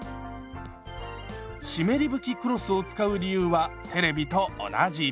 湿り拭きクロスを使う理由はテレビと同じ。